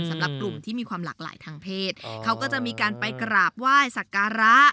สำหรับกลุ่มที่มีความหลากหลายทางเพศเขาก็จะมีการไปกราบไหว้สักการะ